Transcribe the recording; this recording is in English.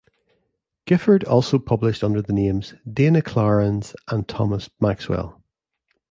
Gifford also published under the names Dana Clarins and Thomas Maxwell.